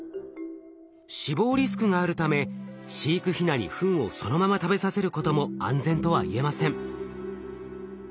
死亡リスクがあるため飼育ヒナにフンをそのまま食べさせることも安全とはいえません。